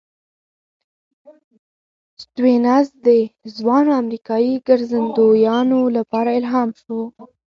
سټيونز د ځوانو امریکايي ګرځندویانو لپاره الهام شو.